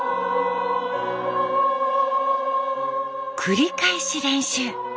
繰り返し練習。